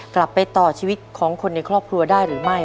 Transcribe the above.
กลับไปต่อชีวิตของคนในครอบครัวได้หรือไม่